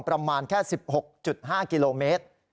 ประมาณแค่๑๖๕กิโลเมตร